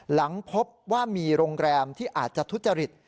หลังพบว่ามีโรงแรมที่อาจจะทุจริต